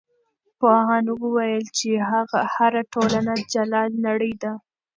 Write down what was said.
پوهانو وویل چې هره ټولنه جلا نړۍ ده.